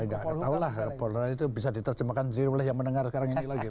nggak tahu lah itu bisa diterjemahkan sendiri oleh yang mendengar sekarang ini lagi